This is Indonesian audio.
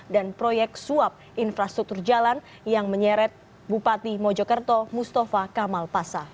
dan proyek suap infrastruktur jalan yang menyeret bupati mojokerto mustafa kamal pasa